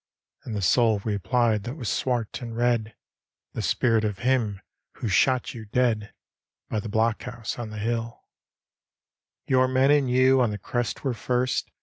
" And the soul replied that was swart and red, " The spirit of him who shot you dead By the blockhouse on the hilL " Your men and you on the crest were first.